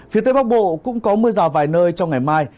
phía tây bắc bộ cũng có mưa rào vài nơi trong ngày mai